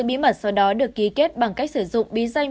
nhưng mặt sau đó được ký kết bằng cách sử dụng bí danh